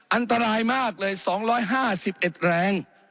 อันตรายมากเลยสองร้อยห้าสิบเอ็ดแรง